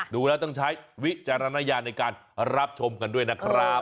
ดูแล้วต้องใช้วิจารณญาณในการรับชมกันด้วยนะครับ